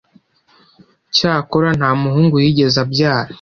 cyakora nta muhungu yigeze abyara.